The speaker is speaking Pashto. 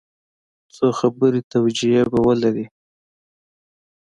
څو خبري توجیې به ولري.